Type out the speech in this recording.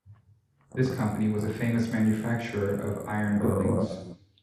This company was a famous manufacturer of iron buildings.